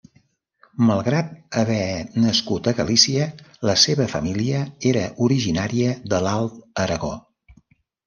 Malgrat haver nascut a Galícia, la seva família era originària de l'Alt Aragó.